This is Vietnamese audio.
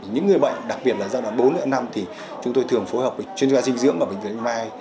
những người bệnh đặc biệt là giai đoạn bốn năm thì chúng tôi thường phối hợp với chuyên gia dinh dưỡng và bệnh viện mai